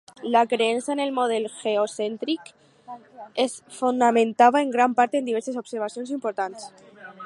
La creença en el model geocèntric es fonamentava en gran part en diverses observacions importants.